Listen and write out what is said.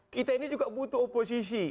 kita ini juga butuh oposisi